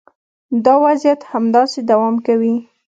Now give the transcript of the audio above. دا وضعیت همداسې دوام کوي